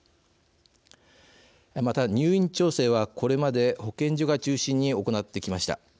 また、入院調整はこれまで保健所が中心に行ってきました。